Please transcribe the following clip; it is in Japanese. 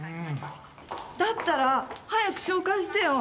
だったら早く紹介してよ。